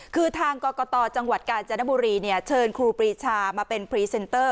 คือทางกรกตจังหวัดกาญจนบุรีเชิญครูปรีชามาเป็นพรีเซนเตอร์